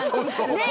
ねえ。